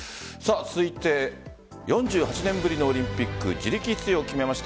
続いて４８年ぶりのオリンピック自力出場を決めました